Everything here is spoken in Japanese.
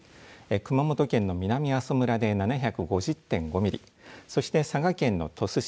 熊本県の南阿蘇村で７５０．５ミリ、そして佐賀県の鳥栖市